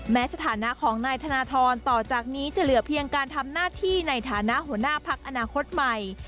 สถานะของนายธนทรต่อจากนี้จะเหลือเพียงการทำหน้าที่ในฐานะหัวหน้าพักอนาคตใหม่